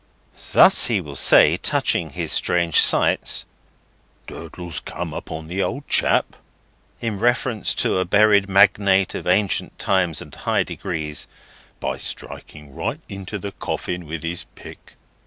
Thus he will say, touching his strange sights: "Durdles come upon the old chap," in reference to a buried magnate of ancient time and high degree, "by striking right into the coffin with his pick.